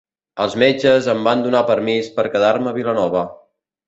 Els metges em van donar permís per quedar-me a Vilanova.